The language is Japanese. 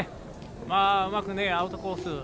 うまくアウトコース